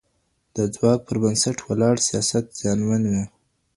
د ځواک پر بنسټ ولاړ سياست زيانمن وي.